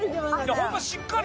ホントしっかり。